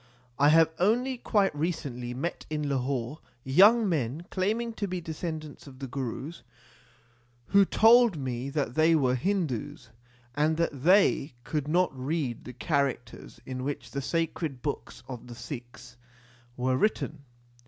I have only quite recently met in Lahore young men claiming to be descendants of the Gurus, who told me that they were Hindus, and that they could not read the characters in which the sacred books of the Sikhs were written.